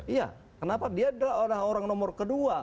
iya kenapa dia adalah orang nomor kedua